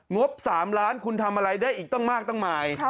บ๓ล้านคุณทำอะไรได้อีกตั้งมากตั้งหมาย